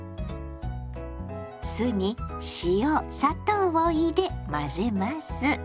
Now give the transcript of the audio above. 酢に塩砂糖を入れ混ぜます。